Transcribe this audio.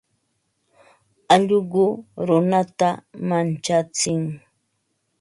Alluqu runata manchatsin.